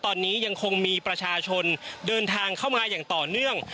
ตอนนี้ยังคงมีประชาชนเดินทางเข้ามาอย่างต่อเนื่อง